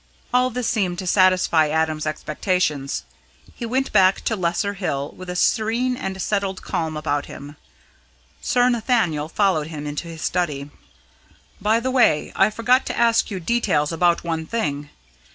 All this seemed to satisfy Adam's expectations. He went back to Lesser Hill with a serene and settled calm upon him. Sir Nathaniel followed him into his study. "By the way, I forgot to ask you details about one thing.